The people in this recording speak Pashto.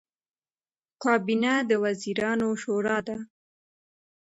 کابینه د وزیرانو شورا ده